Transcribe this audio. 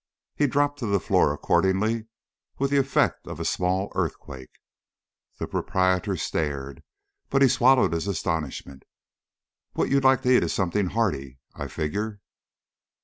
He dropped to the floor accordingly, with the effect of a small earthquake. The proprietor stared, but he swallowed his astonishment. "What you'd like to eat is something hearty, I figure."